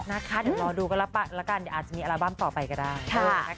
เดี๋ยวรอดูกันละกันอาจจะมีอัลบั้มต่อไปก็ได้